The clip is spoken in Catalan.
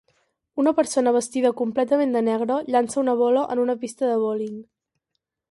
Una persona vestida completament de negre llança una bola en una pista de bowling.